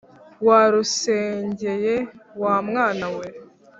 wa rusengeye wamwana we